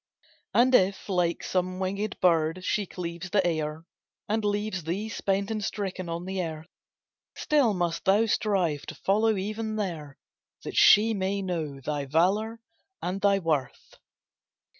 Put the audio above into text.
And if, like some winged bird, she cleaves the air, And leaves thee spent and stricken on the earth, Still must thou strive to follow even there, That she may know thy valour and thy worth.